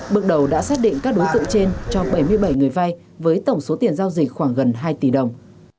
bước đầu đã xác định các đối tượng trên cho bảy mươi bảy người vai với tổng số tiền giao dịch khoảng gần hai tỷ đồng